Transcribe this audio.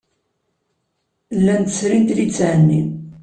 Llant srint litteɛ-nni.